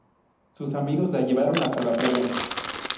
Sus amigos la llevaron hasta la playa.